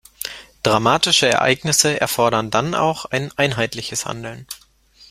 Dramatische Ereignisse erfordern dann auch ein einheitliches Handeln.